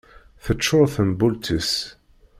Tecčur tembult-is.